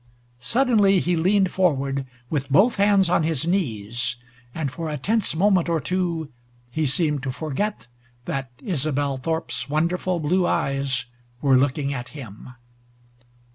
Suddenly he leaned forward, with both hands on his knees, and for a tense moment or two he seemed to forget that Isobel Thorpe's wonderful blue eyes were looking at him.